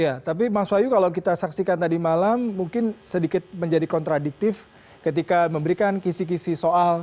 ya tapi mas wahyu kalau kita saksikan tadi malam mungkin sedikit menjadi kontradiktif ketika memberikan kisi kisi soal